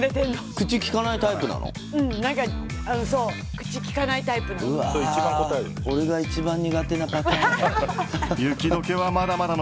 口きかないタイプなの？